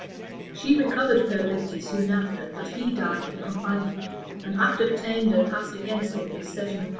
She recovered her liberty soon after; but he died in confinement. An act of attainder passed against him this session of parliament.